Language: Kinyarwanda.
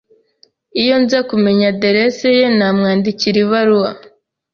Iyo nza kumenya aderesi ye, namwandikira ibaruwa.